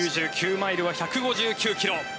マイルは１５９ｋｍ。